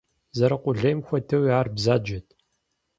Зэрыкъулейм хуэдэуи ар бзаджэт.